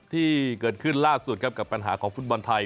ที่เกิดขึ้นล่าสุดครับกับปัญหาของฟุตบอลไทย